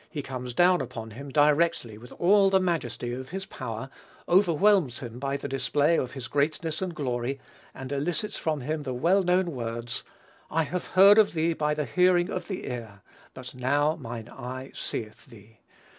he comes down upon him directly with all the majesty of his power, overwhelms him by the display of his greatness and glory, and elicits from him the well known words, "I have heard of thee by the hearing of the ear: but now mine eye seeth thee.